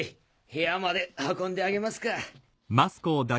部屋まで運んであげますか。